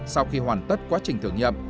sau khi hoàn tất quá trình thử nghiệm